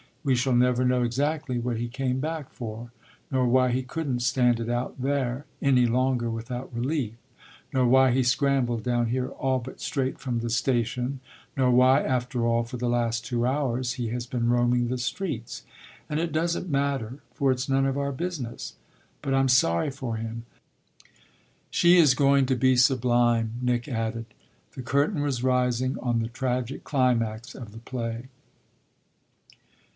We shall never know exactly what he came back for, nor why he couldn't stand it out there any longer without relief, nor why he scrambled down here all but straight from the station, nor why after all, for the last two hours, he has been roaming the streets. And it doesn't matter, for it's none of our business. But I'm sorry for him she is going to be sublime," Nick added. The curtain was rising on the tragic climax of the play.